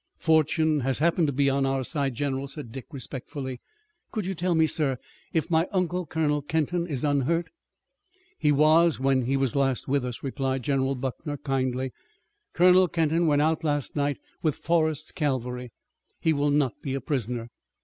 "Fortune has happened to be on our side, general," said Dick respectfully. "Could you tell me, sir, if my uncle, Colonel Kenton, is unhurt?" "He was, when he was last with us," replied General Buckner, kindly. "Colonel Kenton went out last night with Forrest's cavalry. He will not be a prisoner."